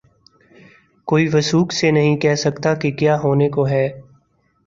کوئی وثوق سے نہیں کہہ سکتا کہ کیا ہونے کو ہے۔